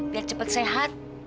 biar cepat sehat